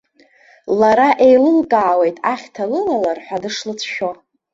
Лара еилылкаауеит ахьҭа лылалар ҳәа дышлыцәшәо.